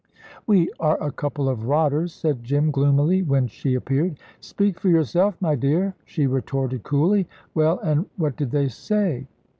"We are a couple of rotters," said Jim, gloomily, when she appeared. "Speak for yourself, my dear," she retorted coolly. "Well, and what did they say?"